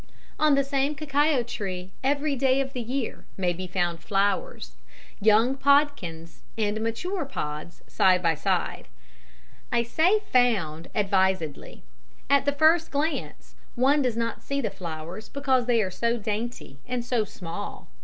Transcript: On the same cacao tree every day of the year may be found flowers, young podkins and mature pods side by side. I say "found" advisedly at the first glance one does not see the flowers because they are so dainty and so small.